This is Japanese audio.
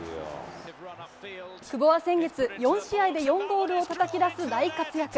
久保は先月、４試合で４ゴールをたたき出す大活躍。